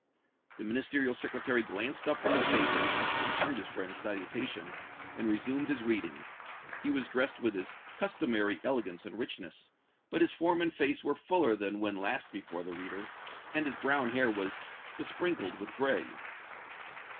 The Ministerial Secretary glanced up from his papers, returned his friend's salutation and resumed his reading. He was dressed with his customary elegance and richness, but his form and face were fuller than when last before the reader, and his brown hair was besprinkled with gray.